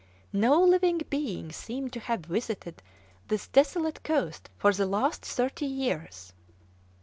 No living being seemed to have visited this desolate coast for the last thirty years.